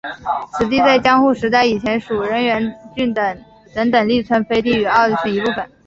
此地在江户时代以前属荏原郡等等力村飞地与奥泽村一部分。